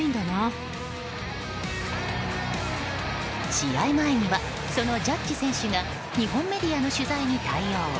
試合前にはそのジャッジ選手が日本メディアの取材に対応。